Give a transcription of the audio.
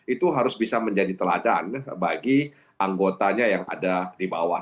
itu harus bisa menjadi teladan bagi anggotanya yang ada di bawah